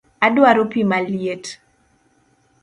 Adwaro pii maliet